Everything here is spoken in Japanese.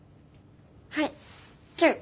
はいキュー！